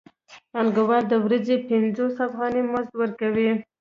پانګوال د ورځې پنځوس افغانۍ مزد ورکوي